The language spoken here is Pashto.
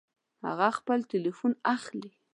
هغه خپل ټيليفون اخلي